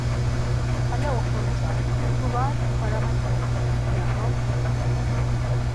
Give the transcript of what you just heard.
Kale oxorca, mutu var ip̌aramitarei ya do ǩitxu.